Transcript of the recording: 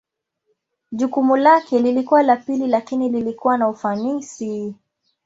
Jukumu lake lilikuwa la pili lakini lilikuwa na ufanisi.